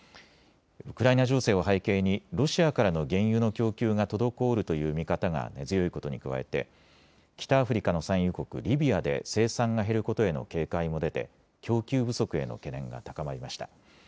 ウクライナ情勢を背景にロシアからの原油の供給が滞るという見方が根強いことに加えて北アフリカの産油国リビアで生産が減ることへの警戒も出て供給不足への懸念が高まりました。